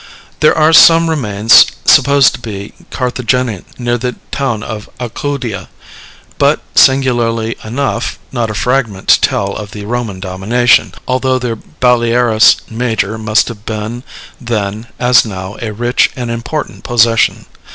There are some remains supposed to be Carthaginian near the town of Alcudia, but, singularly enough, not a fragment to tell of the Roman domination, although their Balearis Major must have been then, as now, a rich and important possession.